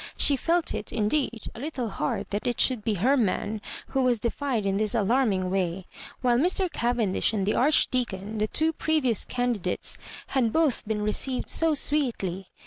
She felt it, indeed, a little hard that it should be her man who was defied in this alarming way, while Mr. Cavendish and the Archdeacon, the two previous candidates, had both been received so sweetly.